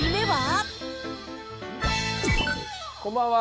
こんばんは。